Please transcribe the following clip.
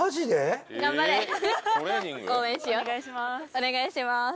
お願いします。